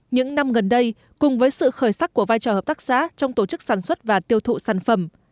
những năm gần đây cùng với sự khởi sắc của vai trò hợp tác xã trong tổ chức sản xuất và tiêu thụ sản phẩm